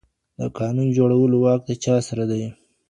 د قانون جوړولو واک د چا سره دی؟